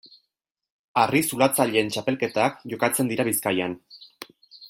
Harri-zulatzaileen txapelketak jokatzen dira Bizkaian.